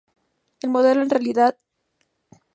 El modelo es en realidad un Dacia Nova mejorado por Renault.